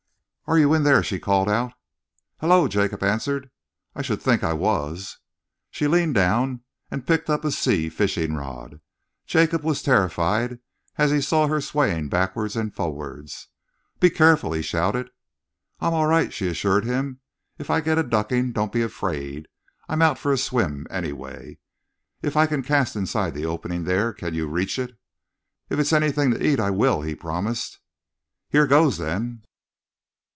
"Are you in there?" she called out. "Hullo!" Jacob answered. "I should think I was!" She leaned down and picked up a sea fishing rod. Jacob was terrified as he saw her swaying backwards and forwards. "Be careful!" he shouted. "I'm all right," she assured him. "If I get a ducking, don't be afraid. I'm out for a swim, anyway. If I can cast inside the opening there, can you reach it?" "If it's anything to eat, I will," he promised. "Here goes, then!"